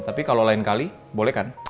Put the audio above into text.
tapi kalau lain kali boleh kan